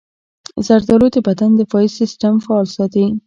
زردالو د بدن دفاعي سستم فعال ساتي.